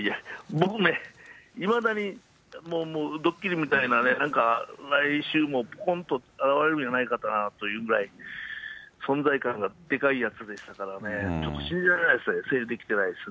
僕ね、いまだにもうもう、どっきりみたいなね、なんか来週もぽんと現れるんじゃないかなというぐらい、存在感がでかいやつでしたからね、ちょっと信じられないですね、整理できてないですね。